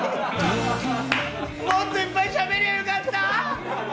もっといっぱいしゃべりゃよかった！